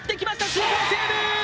スーパーセーブ！